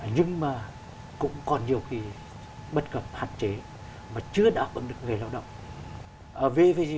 nhưng mà cũng còn nhiều cái bất cập hạn chế mà chưa đảm bằng được người lao động